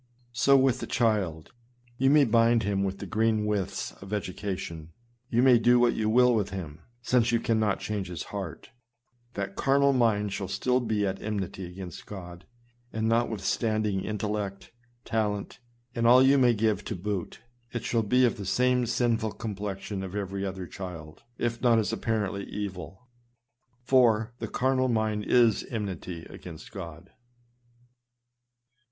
So with the child ; you may bind him with the green withes of education, you may do what you will with him, since you cannot change Ms heart, that car nal mind shall still be at enmity against God ; and notwithstanding intellect, talent, and all you may give to boot, it shall be of the same sinful complexion as every other child, if not as apparently evil ; for " the carnal mind is enmity against God."